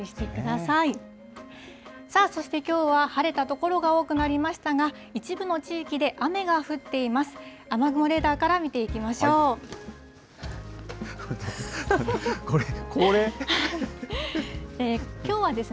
さあ、そしてきょうは晴れた所が多くなりましたが、一部の地域で雨が降っています。